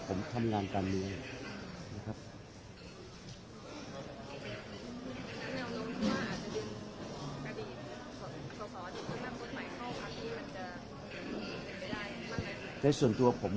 ผมทำงานการเมืองอยู่นะครับ